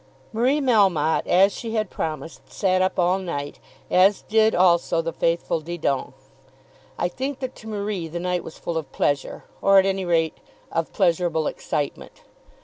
Marie Melmotte, as she had promised, sat up all night, as did also the faithful Didon. I think that to Marie the night was full of pleasure, or at any rate of pleasurable excitement.